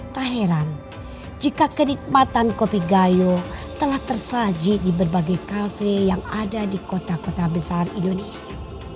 tak heran jika kenikmatan kopi gayo telah tersaji di berbagai kafe yang ada di kota kota besar indonesia